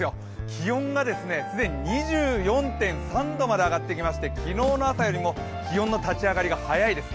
気温が既に２４．３度まで上がってきまして、昨日の朝よりも気温の立ち上がりが早いです。